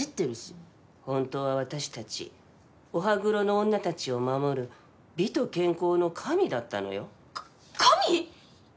本当は私たちお歯黒の女たちを守る美と健康の神だったのよ。か神！？